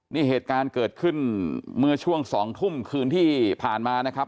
นี่เหตุการณ์เกิดขึ้นเมื่อช่วง๒ทุ่มคืนที่ผ่านมานะครับ